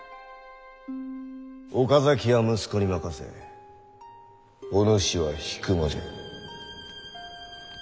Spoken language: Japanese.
岡崎は息子に任せお主は引間じゃ。